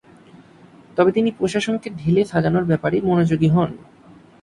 তবে তিনি প্রশাসনকে ঢেলে সাজানোর ব্যাপারে মনোযোগী হন।